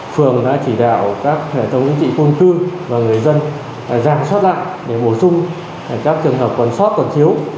phường đã chỉ đạo các hệ thống chính trị khuôn cư và người dân giảm soát lại để bổ sung các trường hợp còn soát còn thiếu